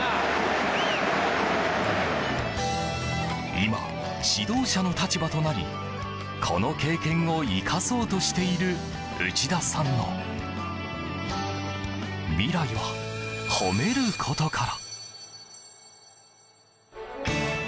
今、指導者の立場となりこの経験を生かそうとしている内田さんの未来は褒めることから。